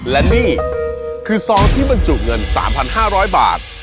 และนี่คือซองที่บรรจุเงิน๓๕๐๐บาท